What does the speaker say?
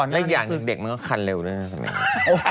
และอย่างนึกเด็กมันก็คันเร็วด้วยนะ